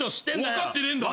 分かってねえんだな？